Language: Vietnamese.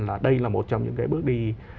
là đây là một trong những cái bước đi